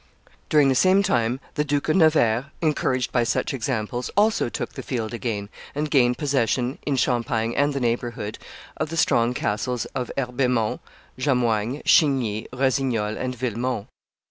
During the same time the Duke of Nevers, encouraged by such examples, also took the field again, and gained possession, in Champagne and the neighborhood, of the strong castles of Herbemont, Jamoigne, Chigny, Rossignol, and Villemont.